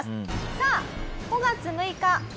さあ５月６日。